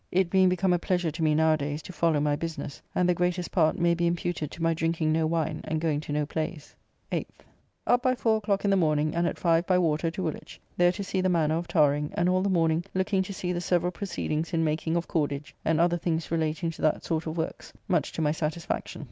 It being become a pleasure to me now a days to follow my business, and the greatest part may be imputed to my drinking no wine, and going to no plays. 8th. Up by four o'clock in the morning, and at five by water to Woolwich, there to see the manner of tarring, and all the morning looking to see the several proceedings in making of cordage, and other things relating to that sort of works, much to my satisfaction.